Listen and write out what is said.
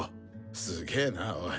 すげなおい。